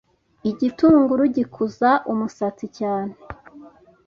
Igitunguru gikuza umusatsi cyane